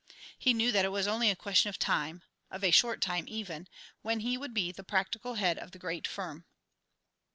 He knew that it was only a question of time of a short time even when he would be the practical head of the great firm.